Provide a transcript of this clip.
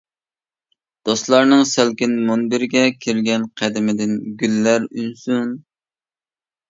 دوستلارنىڭ سەلكىن مۇنبىرىگە كىرگەن قەدىمىدىن گۈللەر ئۈنسۇن!